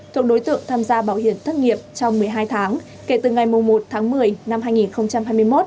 thuộc đối tượng tham gia bảo hiểm thất nghiệp trong một mươi hai tháng kể từ ngày một tháng một mươi năm hai nghìn hai mươi một